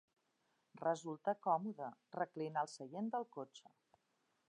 Resulta còmode reclinar el seient del cotxe.